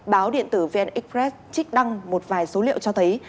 báo điện tử vn express trích đăng một vài số liệu cho thấy